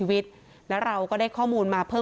อยู่ดีมาตายแบบเปลือยคาห้องน้ำได้ยังไง